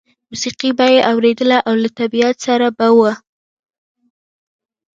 موسیقي به یې اورېدله او له طبیعت سره به و